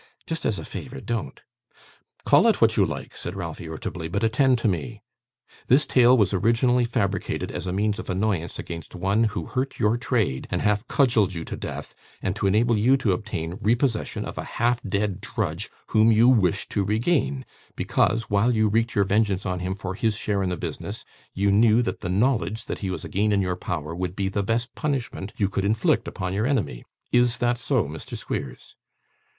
Just as a favour, don't.' 'Call it what you like,' said Ralph, irritably, 'but attend to me. This tale was originally fabricated as a means of annoyance against one who hurt your trade and half cudgelled you to death, and to enable you to obtain repossession of a half dead drudge, whom you wished to regain, because, while you wreaked your vengeance on him for his share in the business, you knew that the knowledge that he was again in your power would be the best punishment you could inflict upon your enemy. Is that so, Mr. Squeers?